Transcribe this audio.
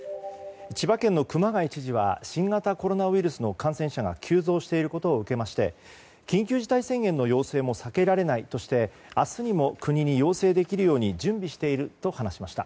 千葉県の熊谷知事は新型コロナウイルスの感染者が急増していることを受けまして緊急事態宣言の要請も避けられないとして明日にも国に要請できるように準備していると話しました。